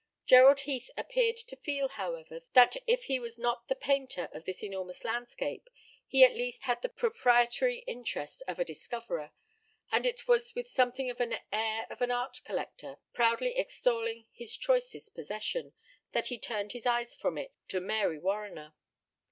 Gerald Heath appeared to feel, however, that if he was not the painter of this enormous landscape, he at least had the proprietary interest of a discoverer, and it was with something of the air of an art collector, proudly extolling his choicest possession, that he turned his eyes from it to Mary Warriner.